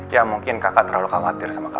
ya mungkin kakak terlalu khawatir sama kakak